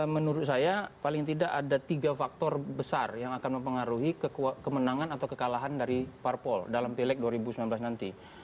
menurut saya paling tidak ada tiga faktor besar yang akan mempengaruhi kemenangan atau kekalahan dari parpol dalam pileg dua ribu sembilan belas nanti